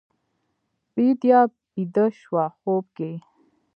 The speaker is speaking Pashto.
بیدیا بیده شوه خوب کې